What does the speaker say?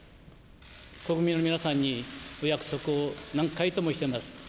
国民の皆さんにお約束を何回ともしています。